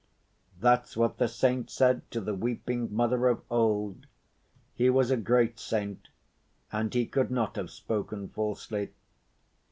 That's what the saint said to the weeping mother of old. He was a great saint and he could not have spoken falsely.